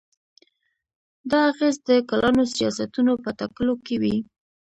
دا اغېز د کلانو سیاستونو په ټاکلو کې وي.